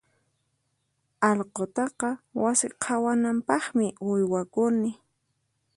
Allqutaqa wasi qhawanampaqmi uywakuni.